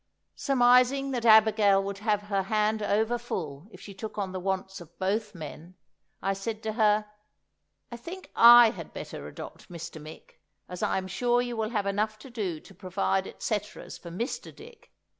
Surmising that Abigail would have her hand over full if she took on the wants of both men, I said to her, "I think I had better adopt Mr. Mick, as I am sure you will have enough to do to provide et ceteras for Mr. Dick!